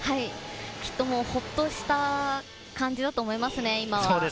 きっとホッとしたという感じだと思います、今は。